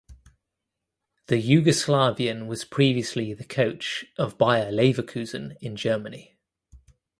The Yugoslavian was previously the coach of Bayer Leverkusen in Germany.